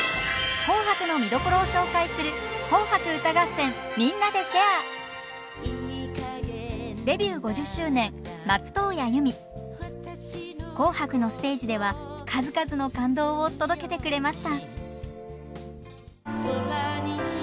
「紅白」の見どころを紹介する「紅白」のステージでは数々の感動を届けてくれました。